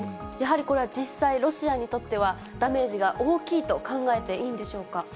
やはりこれは実際、ロシアにとってはダメージが大きいと考えていいんでしょうか。